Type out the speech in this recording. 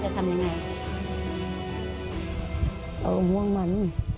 รักแม่มาก